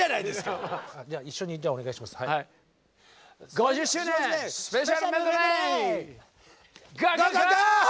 ５０周年スペシャルメドレーＧＯＧＯＧＯ！